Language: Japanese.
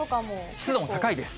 湿度も高いです。